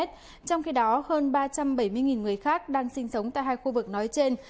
trong khi đó hơn ba trăm bảy mươi người khác đang sinh sống tại hai khu vực nói trên